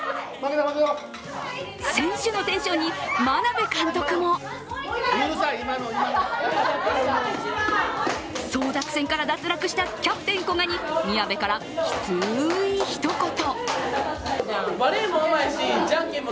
選手のテンションに眞鍋監督も争奪戦から脱落したキャプテン・古賀に宮部から、きついひと言。